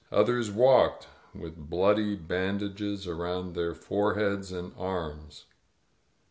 Others walked, with bloody bandages around their foreheads and arms.